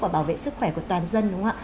và bảo vệ sức khỏe của toàn dân đúng không ạ